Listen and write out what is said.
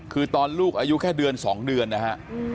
คือตอนลูกอายุแค่เดือน๒เดือนนะฮะ